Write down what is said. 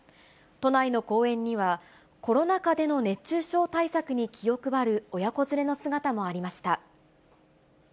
都内の公園には、コロナ禍での熱中症対策に気を配る親子連れの姿もありました。